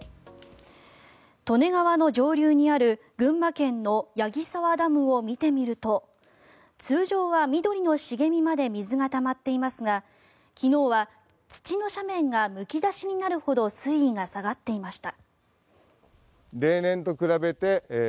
利根川の上流にある群馬県の矢木沢ダムを見てみると通常は緑の茂みまで水がたまっていますが昨日は土の斜面がむき出しになるほど水位が下がっていました。